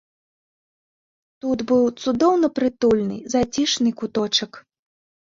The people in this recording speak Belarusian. Тут быў цудоўна прытульны зацішны куточак.